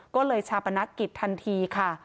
ก็เลยชาปนักกิจทันทีค่ะ